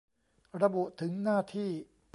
ระบุถึงหน้าที่